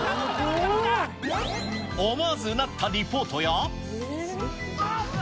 思わずうなったリポートや。